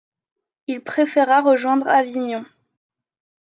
Il préféra rejoindre Avignon.